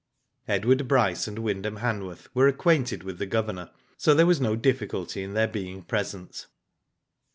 Edward Bryce and Wyndham Hanworth were acquainted with the Governor, so there was no difficulty in their being present.